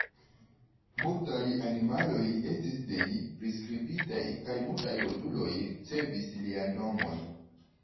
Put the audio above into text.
Multaj animaloj estis de li priskribitaj kaj multaj roduloj ricevis lian nomon.